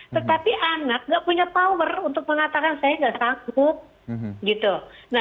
tetapi anak nggak punya power untuk mengatakan saya nggak sanggup